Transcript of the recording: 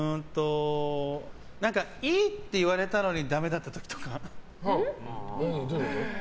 何か、いいって言われたのにダメだった時とか。